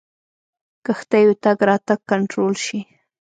کښتیو تګ راتګ کنټرول شي.